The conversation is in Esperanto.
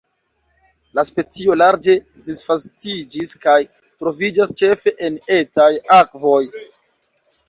La specio larĝe disvastiĝis kaj troviĝas ĉefe en etaj akvoj.